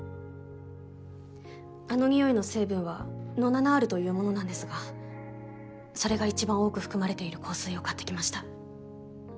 あの匂いの成分は「ノナナール」というものなんですがそれが一番多く含まれている香水を買ってきました。